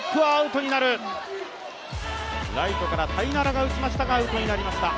ライトからタイナラが打ちましたが、アウトになりました。